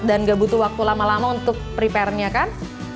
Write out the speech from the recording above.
dan nggak butuh waktu lama lama untuk prepare nya kan